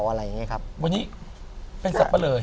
วันนี้เป็นสับปะเหล่า